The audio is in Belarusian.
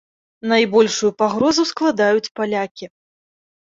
Найбольшую пагрозу складаюць палякі.